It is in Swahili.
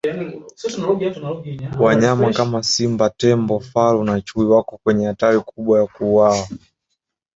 wanyama kama simba tembo faru na chui wako kwenye hatari kubwa ya kuuwawa